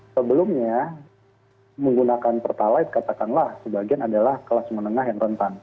sebelumnya menggunakan pertalite katakanlah sebagian adalah kelas menengah yang rentan